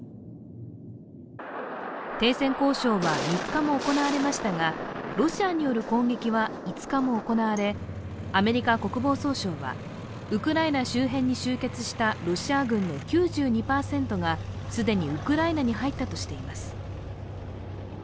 停戦交渉は３日も行われましたがロシアによる攻撃は５日も行われ、アメリカ国防総省はウクライナ周辺に集結したロシア軍の９２％が既にウクライナに入ったとしています。